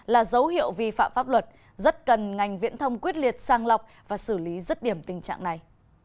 là dấu hiệu vi phạm pháp luật rất cần ngành viễn thông quyết liệt sang lọc và xử lý rứt điểm tình trạng này